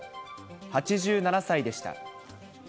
８７歳でした。